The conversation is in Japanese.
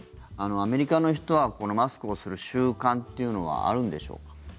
アメリカの人はマスクをする習慣というのはあるのでしょうか。